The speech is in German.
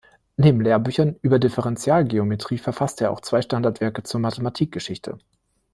Neben Lehrbüchern über Differentialgeometrie verfasste er auch zwei Standardwerke zur Mathematikgeschichte.